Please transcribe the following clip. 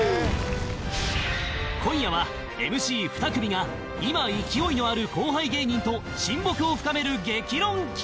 今夜は ＭＣ２ 組が今勢いのある後輩芸人と親睦を深める激論企画